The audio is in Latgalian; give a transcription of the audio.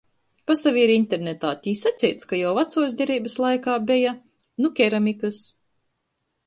Pasavieru internetā, tī saceits, ka jau Vacuos Dereibys laikā beja — nu keramikys.